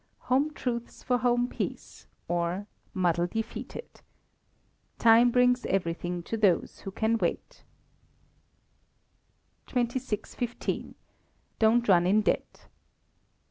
Home Truths for Home Peace; or, Muddle Defeated. [TIME BRINGS EVERYTHING TO THOSE WHO CAN WAIT.] 2615. Don't Run in Debt.